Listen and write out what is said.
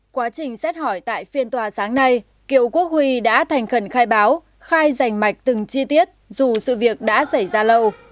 quá trình xét hỏi tại phiên tòa sáng nay kiều quốc huy đã thành khẩn khai báo khai rành mạch từng chi tiết dù sự việc đã xảy ra lâu